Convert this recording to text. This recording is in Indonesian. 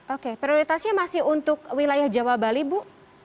oke prioritasnya masih untuk wilayah jawa bali bu